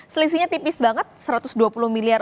selisihnya tipis banget satu ratus dua puluh miliar